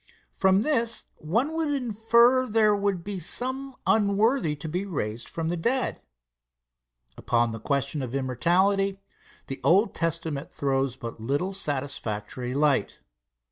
From this one would infer there would be some unworthy to be raised from the dead. Upon the question of immortality, the Old Testament throws but little satisfactory light.